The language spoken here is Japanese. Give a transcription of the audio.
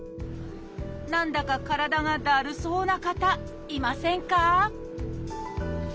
何だか体がだるそうな方いませんか？